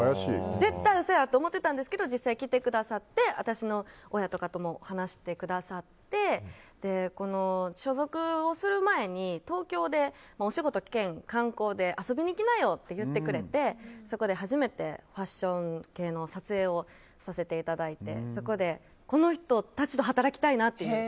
絶対嘘やと思ってたんですけど実際に来てくださって私の親とかとも話してくださって所属をする前に東京でお仕事兼観光で遊びに来なよって言ってくれてそこで初めてファッション系の撮影をさせていただいてそこで、この人たちと働きたいなっていう。